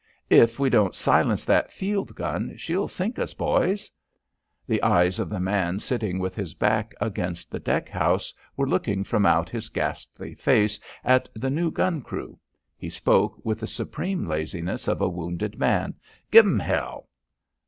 "If we don't silence that field gun, she'll sink us, boys." ... The eyes of the man sitting with his back against the deck house were looking from out his ghastly face at the new gun crew. He spoke with the supreme laziness of a wounded man. "Give'm hell."